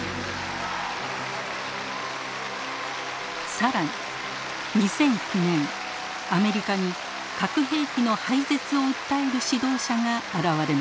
更に２００９年アメリカに核兵器の廃絶を訴える指導者が現れました。